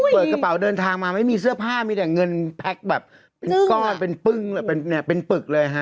เปิดกระเป๋าเดินทางมาไม่มีเสื้อผ้ามีแต่เงินแพ็คแบบเป็นก้อนเป็นปึ้งเลยเป็นปึกเลยฮะ